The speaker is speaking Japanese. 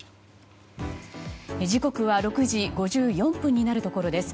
時刻は６時５４分になるところです。